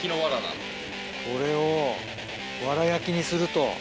これをワラ焼きにすると。